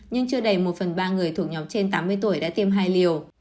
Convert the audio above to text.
nhưng chưa đầy một phần ba người thuộc nhóm trên tám mươi tuổi đã tiêm hai liều